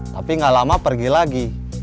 tapi gak lama pergi lagi